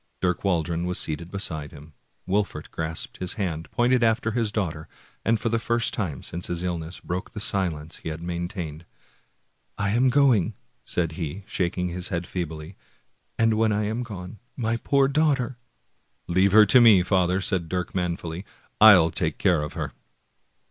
Dirk Waldron was seated beside him; Wolfert grasped his hand, pointed after his daughter, and for the first time since his illness broke the silence he had maintained. " I am going! " said he, shaking his head feebly, " and when I am gone, my poor daughter " "Leave her to me, father!" said Dirk manfully; "I'll take care of her!